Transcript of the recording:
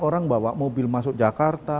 orang bawa mobil masuk jakarta